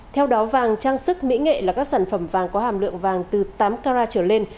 theo đó vàng trang sức mỹ nghệ là các sản phẩm vàng có hàm lượng vàng từ tám carat trở lên